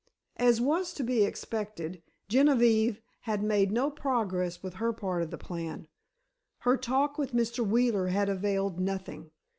As was to be expected, Genevieve had made no progress with her part of the plan. Her talk with Mr. Wheeler had availed nothing.